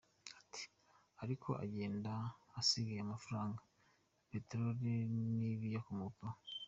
Ati : “Ariko agende asige amafaranga ya Peteroli n’ibiyikomokaho ?